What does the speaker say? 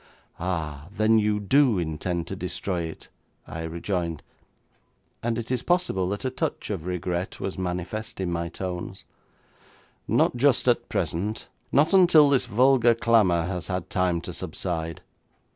'Ah, then you do intend to destroy it?' I rejoined, and it is possible that a touch of regret was manifest in my tones. 'Not just at present; not until this vulgar clamour has had time to subside.